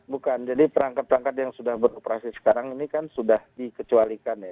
bukan jadi perangkat perangkat yang sudah beroperasi sekarang ini kan sudah dikecualikan ya